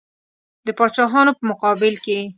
د پاچاهانو په مقابل کې.